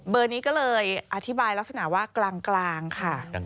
นี้ก็เลยอธิบายลักษณะว่ากลางค่ะ